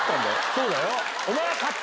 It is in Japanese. そうだよ。